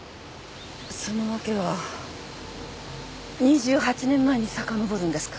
その訳は２８年前にさかのぼるんですか？